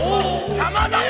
邪魔だよ！